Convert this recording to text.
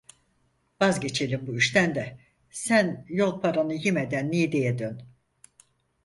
Vazgeçelim bu işten de sen yol paranı yimeden Niğde'ye dön.